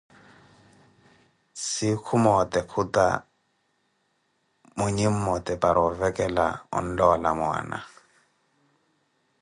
Sikhu moote khuta monye mmote para ovekela onloola mwaana.